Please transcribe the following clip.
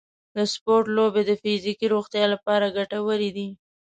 د سپورټ لوبې د فزیکي روغتیا لپاره ګټورې دي.